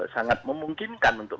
sangat memungkinkan untuk